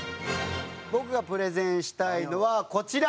僕がプレゼンしたいのはこちら！